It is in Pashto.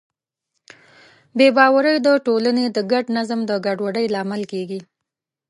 بې باورۍ د ټولنې د ګډ نظم د ګډوډۍ لامل کېږي.